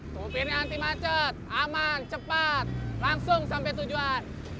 sopirnya anti macet aman cepat langsung sampai tujuan